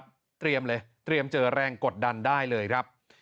เตรียมเลยเตรียมเจอแรงกดดันได้เลยครับ